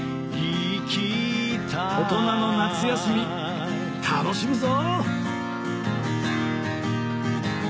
大人の夏休み楽しむぞ！